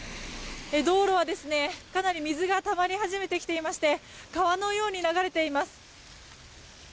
道路は、かなり水がたまり始めてきていまして川のように流れています。